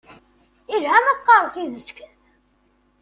Yelha ma teqqareḍ tidet kan.